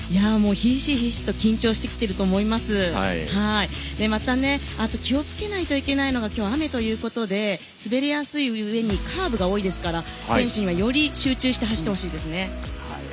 ひしひしと緊張してきていると思いますし気をつけないといけないのは今日、雨で滑りやすいうえにカーブが多いですから選手にはより集中して走ってほしいです。